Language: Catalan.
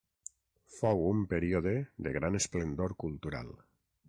Fou un període de gran esplendor cultural.